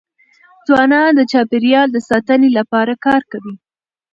ځوانان د چاپېریال د ساتني لپاره کار کوي.